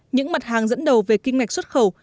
những mặt hàng dẫn đầu về kim ngạch xuất khẩu